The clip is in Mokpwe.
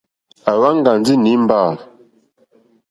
À wáŋɡà ndí nǐmbà.